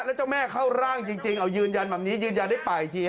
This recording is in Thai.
แล้วเจ้าแม่เข้าร่างจริงเอายืนยันแบบนี้ยืนยันได้ปากอีกที